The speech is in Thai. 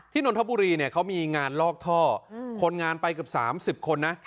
นนทบุรีเนี่ยเขามีงานลอกท่อคนงานไปเกือบ๓๐คนนะ